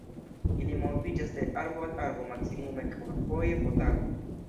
Ili moviĝas de arbo al arbo maksimume kvarfoje po tago.